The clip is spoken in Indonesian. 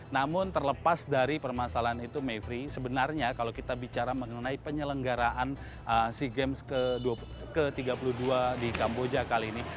namun terlepas dari permasalahan itu mevri sebenarnya kalau kita bicara mengenai penyelenggaraan sea games ke tiga puluh dua di kamboja kali ini